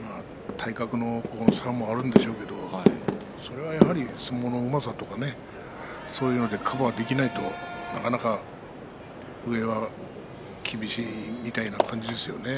体格の差もあるんでしょうけどそれはやはり相撲のうまさとかそういうのでカバーできないとなかなか上は厳しいみたいな感じですよね。